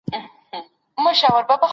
خدای ورکړئ یو سړي ته داسي زوی ؤ